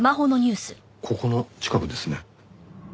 ここの近くですね。